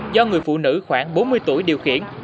do người phụ nữ khoảng bốn mươi tuổi điều khiển